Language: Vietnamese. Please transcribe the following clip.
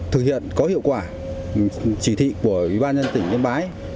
thực hiện có hiệu quả chỉ thị của ủy ban nhân tỉnh yên bái